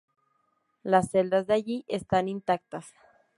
Las celdas de allí están intactas.